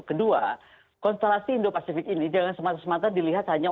kedua konstelasi indo pasifik ini jangan semata semata dilihat hanya